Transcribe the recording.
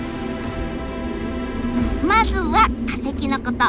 まずは化石のこと。